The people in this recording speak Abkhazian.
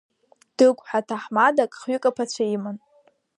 Дыгә ҳәа ҭаҳмадак хҩык аԥацәа иман…